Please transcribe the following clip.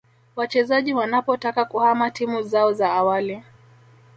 wachezaji wanapotaka kuhama timu zao za awali